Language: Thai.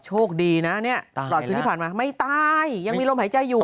โชคดีนะเนี่ยตลอดคืนที่ผ่านมาไม่ตายยังมีลมหายใจอยู่